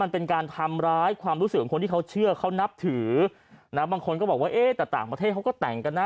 มันเป็นการทำร้ายความรู้สึกของคนที่เขาเชื่อเขานับถือนะบางคนก็บอกว่าเอ๊ะแต่ต่างประเทศเขาก็แต่งกันนะ